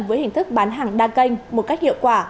với hình thức bán hàng đa kênh một cách hiệu quả